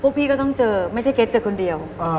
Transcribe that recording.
พี่ก็ต้องเจอไม่ใช่เก็ตเจอคนเดียว